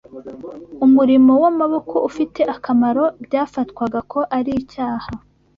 umurimo w’amaboko ufite akamaro byafatwaga ko ari icyaha